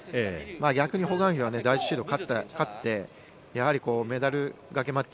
逆にホ・グァンヒは第１シード勝ってやはりメダルがけマッチ。